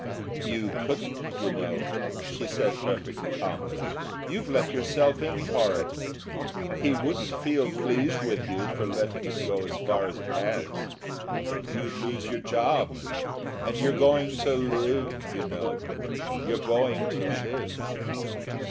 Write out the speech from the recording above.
"You couldn't, you know," she said, perfectly calmly, "you've let yourself in for it. He wouldn't feel pleased with you for letting it go as far as it has. You'd lose your job, and you're going to live, you know you're going to live...."